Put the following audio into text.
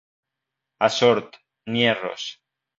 A Sort, nyerros.